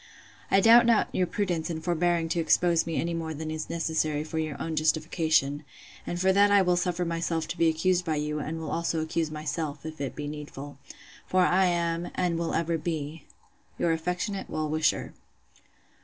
'I doubt not your prudence in forbearing to expose me any more than is necessary for your own justification; and for that I will suffer myself to be accused by you, and will also accuse myself, if it be needful. For I am, and will ever be, 'Your affectionate well wisher.